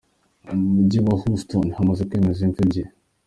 Mu mujyi wa Houston hamaze kwemezwa impfu ebyiri.